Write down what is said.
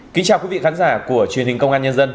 kính chào quý vị khán giả của truyền hình công an nhân dân